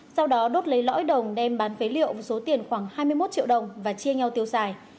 sau đó đốt lấy lõi đồng đem bán phế liệu với số tiền khoảng hai mươi một triệu đồng và chia nhau tiêu xài